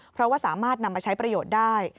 เพราะว่าสามารถนำมาใช้ประโยชน์ได้